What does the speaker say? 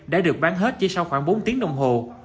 đã được bán hết chỉ sau khoảng bốn tiếng đồng hồ